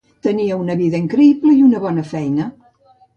Tenia una vida increïble i una bona feina.